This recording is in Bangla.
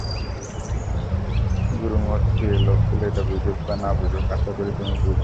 গুরুমুরথি, এই লোকগুলো এটা বুঝুক বা না বুঝুক, আশাকরি তুমি বুঝবে।